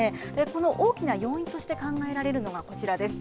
この大きな要因として考えられるのがこちらです。